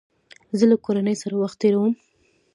زه له کورنۍ سره وخت تېرووم.